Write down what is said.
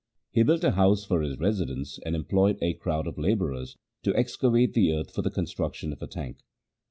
He built a house for his residence and employed a crowd of labourers to excavate the earth for the construction of a tank.